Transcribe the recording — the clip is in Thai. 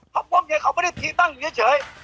เพราะพวกเมียเขาไม่ได้พิมพ์ตั้งอยู่เฉย